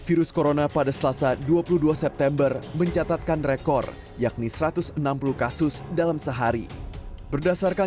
virus corona pada selasa dua puluh dua september mencatatkan rekor yakni satu ratus enam puluh kasus dalam sehari berdasarkan